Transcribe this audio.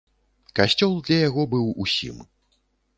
Касцёл для яго быў усім.